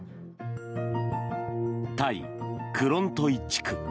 タイ・クロントイ地区。